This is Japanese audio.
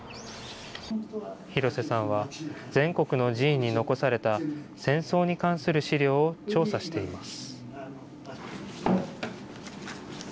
廣瀬さんは全国の寺院に残された戦争に関する資料を調査しています。